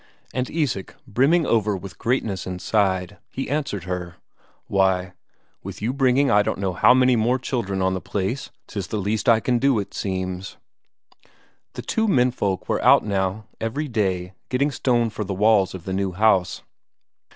And Isak, brimming over with greatness inside, he answered her: "Why, with you bringing I don't know how many more children on the place, 'tis the least I can do, it seems." The two menfolk were out now every day getting stone for the walls of the new house.